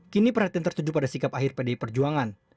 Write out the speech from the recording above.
kini perhatian tertuju pada sikap akhir pdi perjuangan